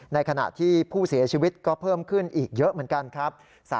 ในขณะที่ผู้เสียชีวิตก็เพิ่มขึ้นอีกเยอะเหมือนกันครับ